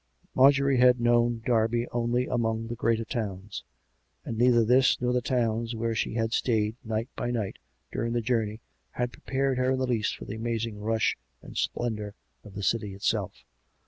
Marjorie had known Derby only among the greater towns, and neither this nor the towns where she had stayed, night by night, during the journey, had prepared her in the least for the amazing rush and splendour of the City itself.